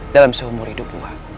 dalam seumur hidup wak